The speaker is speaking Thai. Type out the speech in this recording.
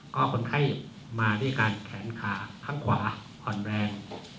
ก็คนไข้มาด้วยการแขนขาข้างขวาผ่อนแรง